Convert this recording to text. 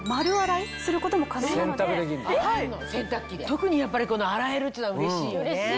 特にやっぱり洗えるっつうのはうれしいよね。